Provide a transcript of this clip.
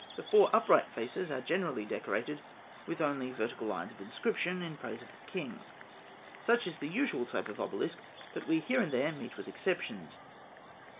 The four upright faces are generally decorated with only vertical lines of inscription in praise of the king (Note 11). Such is the usual type of obelisk; but we here and there meet with exceptions.